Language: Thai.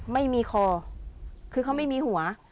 ไม่มีคอคือเขาไม่มีหัว